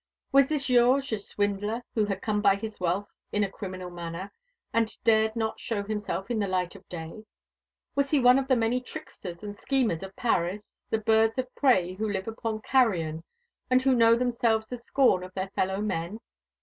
Was this Georges a swindler, who had come by his wealth in a criminal manner, and dared not show himself in the light of day? Was he one of the many tricksters and schemers of Paris, the birds of prey who live upon carrion, and who know themselves the scorn of their fellow men?